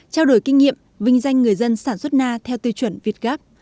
trao đổi kinh nghiệm vinh danh người dân sản xuất na theo tiêu chuẩn việt gáp